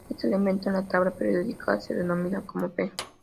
Este elemento en la tabla periódica se denomina como "P".